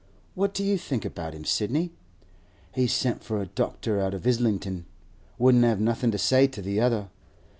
What do you think about him, Sidney? He's sent for a doctor out of Islington; wouldn't have nothin' to say to the other.